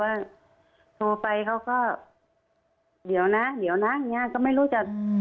ว่าทุก๓๓๐๐แท็กเตอร์ไปเขาก็เดี๋ยวนะงั้นมากไม่รู้จะ